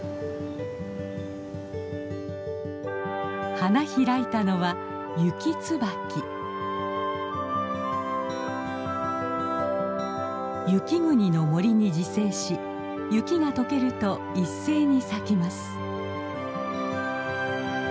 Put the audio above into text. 花開いたのは雪国の森に自生し雪が解けると一斉に咲きます。